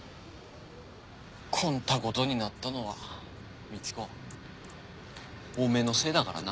こんたごとになったのはみち子おめえのせいだからな。